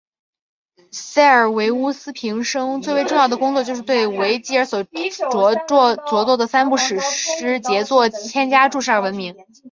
塞尔维乌斯平生最为重要的工作就是对维吉尔所着作的三部史诗杰作添加注释而闻名。